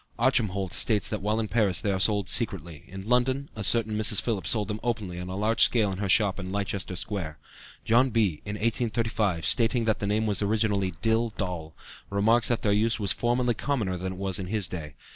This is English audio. Archemholtz states that while in Paris they are only sold secretly, in London a certain Mrs. Philips sold them openly on a large scale in her shop in Leicester Square. John Bee in 1835, stating that the name was originally dil dol, remarks that their use was formerly commoner than it was in his day.